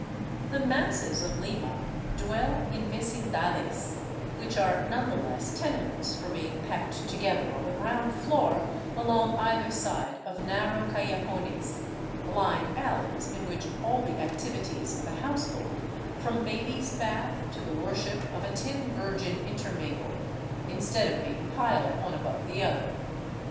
The " masses " of Lima dwell in vecindades, which are none the less tenements for being packed together on the ground floor along either side of narrow callejones, blind alleys in which all the ac tivities of the household from baby's bath to the worship of a tin Virgin intermingle, instead of being piled one above the other.